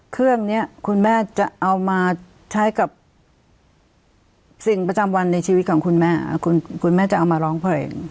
เครื่องนี้คุณแม่จะเอามาใช้กับสิ่งประจำวันในชีวิตของคุณแม่คุณแม่จะเอามาร้องเพลง